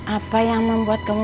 apa yang membuat kamu